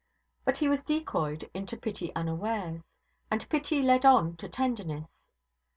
But he was decoyed into pity unawares; and pity led on to tenderness.